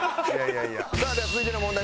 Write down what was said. さあでは続いての問題